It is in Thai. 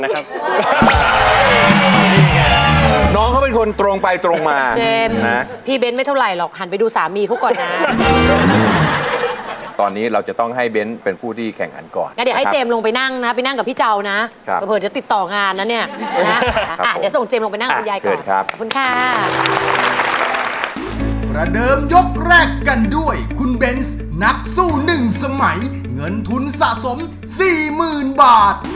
คุณเบ้นส์นักสู้หนึ่งสมัยเงินทุนสะสม๔๐๐๐๐บาท